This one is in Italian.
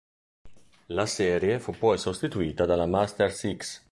La serie fu poi sostituita dalla Master Six